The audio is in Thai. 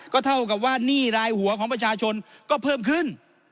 ก็เท่ากับว่าหนี้รายหัวของประชาชนก็เพิ่มขึ้น